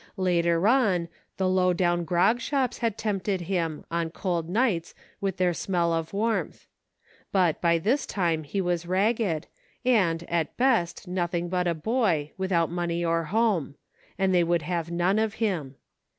Later on, the low down grog shops had tempted him, on cold nights, with their smell of warmth ; but, by this time he was ragged, and, at best, nothing but a boy, without money or home ; and they would have none of him.